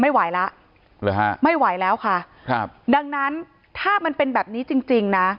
ไม่ไหวแล้วไม่ไหวแล้วค่ะดังนั้นถ้ามันเป็นแบบนี้จริงนะ